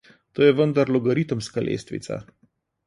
To je vendar logaritemska lestvica.